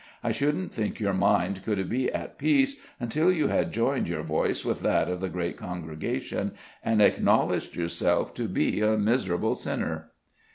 I shouldn't think your mind could be at peace until you had joined your voice with that of the great congregation, and acknowledged yourself to be a miserable sinner."